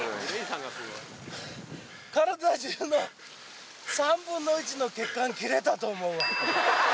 体重の３分の１の血管、切れたと思うわ。